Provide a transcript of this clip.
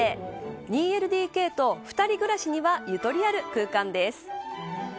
２ＬＤＫと、２人暮らしにはゆとりある空間です。